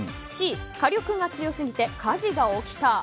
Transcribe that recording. Ｃ、火力が強すぎて火事が起きた。